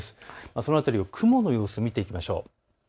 その辺りを雲の様子、見ていきましょう。